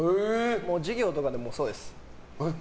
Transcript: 事業とかでもそうです。